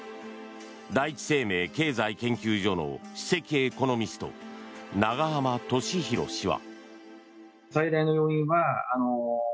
第一生命経済研究所の首席エコノミスト永濱利廣氏は。